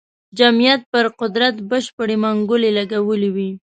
جمعیت پر قدرت بشپړې منګولې لګولې وې.